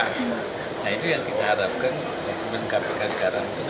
nah itu yang kita harapkan komitmen kpk sekarang